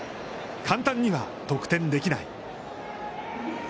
簡単には得点できない。